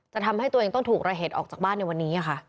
ทำให้ตัวเองต้องถูกระเหตุออกจากบ้านในวันนี้ค่ะ